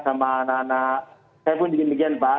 sama anak anak saya pun begini begini pak